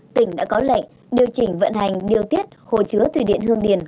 tỉnh đã có lệnh điều chỉnh vận hành điều tiết hồ chứa thủy điện hương điền